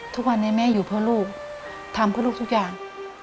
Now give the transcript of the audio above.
ทุกวันนี้แม่อยู่เพื่อลูกทำเพื่อลูกทุกอย่าง